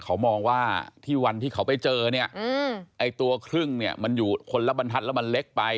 เขามองว่าที่วันที่เขาไปเจอเนี่ยไอ้ตัวครึ่งเนี่ยมันอยู่คนละบรรทัศน์แล้วมันเล็กไป